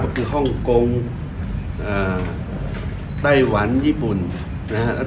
คือฮ่องกงไต้หวันญี่ปุ่นนะครับ